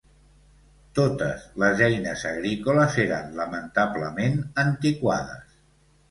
Totes les eines agrícoles eren lamentablement antiquades